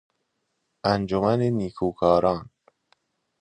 انجمن نیکوکاران